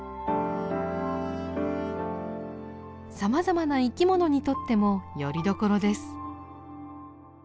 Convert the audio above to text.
さまざまな生きものにとってもよりどころです。